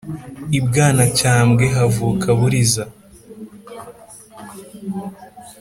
I Bwanacyambwe havuka Buriza .